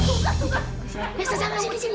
ibu juga di mana mana ada belulu ibu